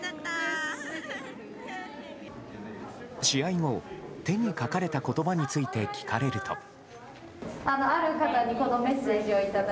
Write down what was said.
試合後手に書かれた言葉について聞かれると。